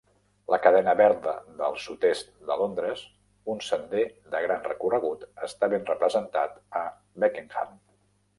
La cadena verda del sud-est de Londres, un sender de gran recorregut està ben representat a Beckenham.